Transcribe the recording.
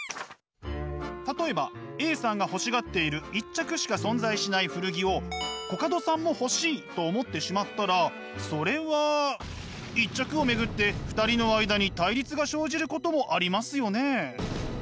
例えばＡさんが欲しがっている１着しか存在しない古着をコカドさんも欲しいと思ってしまったらそれは１着を巡って２人の間に対立が生じることもありますよね。